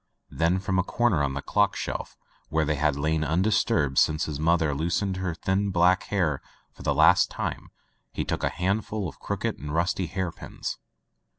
Then from a comer on the clock shelf, where they had lain undisturbed since his mother loosed her thin black hair for the last time, he took a handful of crooked and rusty hair pins.